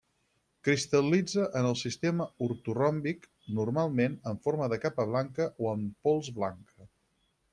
Cristal·litza en el sistema ortoròmbic, normalment en forma de capa blanca o en pols blanca.